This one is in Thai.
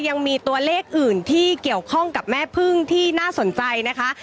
ยังมีตัวเลขอื่นที่เกี่ยวข้องกับแม่พึ่งที่น่าสนใจนะคะ